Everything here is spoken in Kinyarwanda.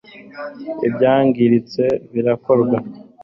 ibyangiritse birakorwa